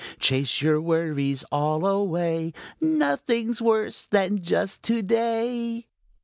Chase your worries all away; Nothing's worse than just to day."